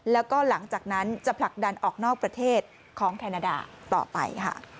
แล้วก็หลังจากนั้นจะผลักดันออกนอกประเทศของแคนาดาต่อไปค่ะ